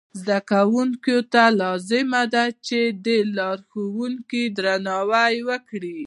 زده کوونکو ته لازمه ده چې د لارښوونکو درناوی وکړي.